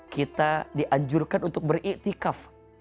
kita dianjurkan untuk beriktikaf